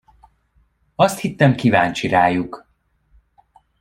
Azt hittem, kíváncsi rájuk.